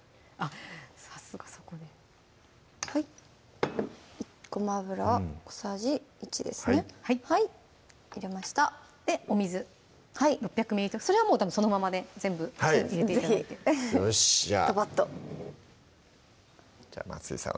さすがそこでごま油を小さじ１ですねはい入れましたでお水６００それはもうそのままで全部入れて頂いて是非よしじゃあじゃあ松井さん